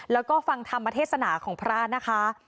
แล้วก็ฟังธรรมเทศนาของพระนะคะ